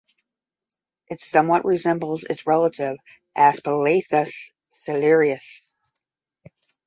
It somewhat resembles its relative "Aspalathus ciliaris".